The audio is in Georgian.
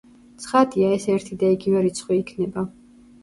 ცხადია, ეს ერთი და იგივე რიცხვი იქნება.